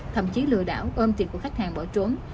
thậm chí lừa đảo ôm tiệt của khách hàng bỏ trốn